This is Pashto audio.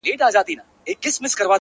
راډيو ـ